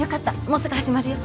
もうすぐ始まるよ。